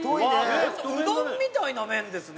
うどんみたいな麺ですね。